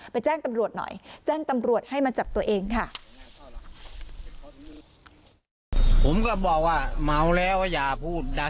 แจ้งตำรวจหน่อยแจ้งตำรวจให้มาจับตัวเองค่ะ